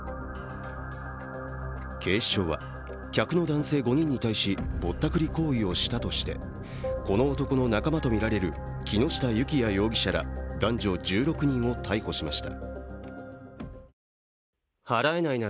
警視庁は、客の男性５人に対しぼったくり行為をしたとしてこの男の仲間とみられる木下幸也容疑者ら男女１６人を逮捕しました。